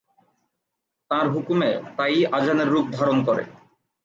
তাঁর হুকুমে তা-ই আযানের রূপ ধারণ করে।